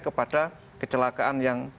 kepada kecelakaan yang